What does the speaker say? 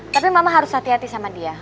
tapi mama harus hati hati sama dia